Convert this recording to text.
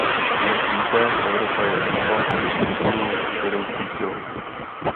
Jak víte, Evropa je v oblasti obchodu vedoucí silou.